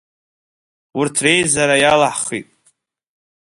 Урҭ реизара иалаҳхи.